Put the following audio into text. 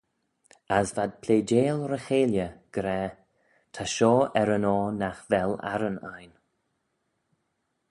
As v'ad pleadeil ry-cheilley, gra, Ta shoh er-yn-oyr nagh vel arran ain.